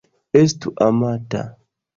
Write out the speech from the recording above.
Estu amata.